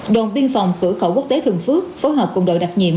đồn biên phòng cửa khẩu quốc tế thường phước phối hợp cùng đội đặc nhiệm